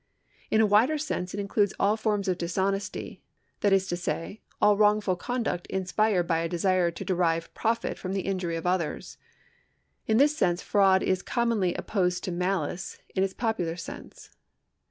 In a wider sense it includes all forms of dishonesty, that is to say, all wrongful conduct inspired by a desire to derive profit from the injury of others. In this sense fraud is commonly opposed to malice in its popular sense.